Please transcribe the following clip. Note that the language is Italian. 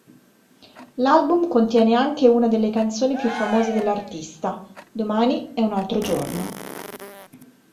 L'album contiene anche una delle canzoni più famose dell'artista, "Domani è un altro giorno".